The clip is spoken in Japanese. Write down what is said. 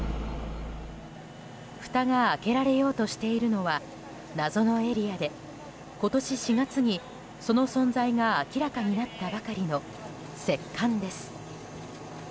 ふたが開けられようとしているのは、謎のエリアで今年４月に、その存在が明らかになったばかりの石棺です。